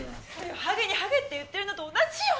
ハゲにハゲって言ってるのと同じよ！